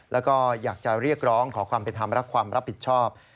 แล้วก็อยากจะเรียกร้องขอความเป็นธรรมและความรับผิดชอบ